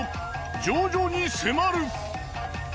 徐々に迫る。